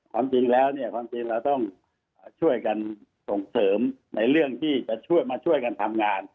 ความจริงเราต้องช่วยกันส่งเสริมในเรื่องที่จะช่วยมาช่วยกันทำงาน